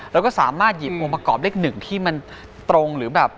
เราก็สามารถหยิบองค์ประกอบเลขหนึ่งที่มันตรงหรือแบบถูกกับเรามาใช้ได้